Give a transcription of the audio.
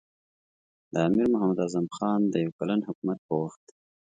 د امیر محمد اعظم خان د یو کلن حکومت په وخت.